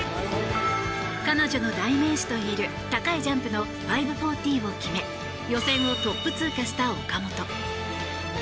彼女の代名詞といえる高いジャンプの５４０を決め予選をトップ通過した岡本。